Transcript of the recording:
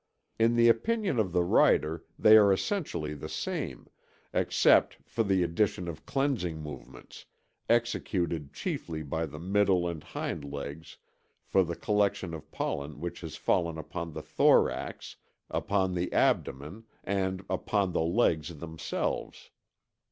In the opinion of the writer they are essentially the same, except for the addition of cleansing movements, executed chiefly by the middle and hind legs for the collection of pollen which has fallen upon the thorax, upon the abdomen, and upon the legs themselves.